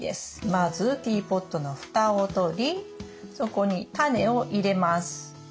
まずティーポットの蓋を取りそこにタネを入れます。